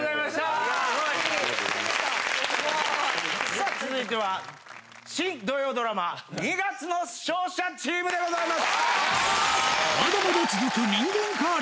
さぁ続いては「新土曜ドラマ二月の勝者チーム」でございます。